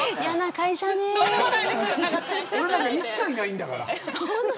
俺なんか一切ないんだから。